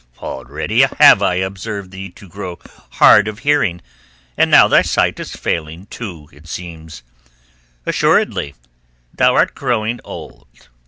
"Already have I observed thee to grow hard of hearing, and now thy sight is failing too, it seems. Assuredly thou art growing old."